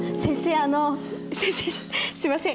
すみません。